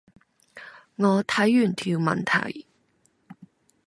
我睇完條問題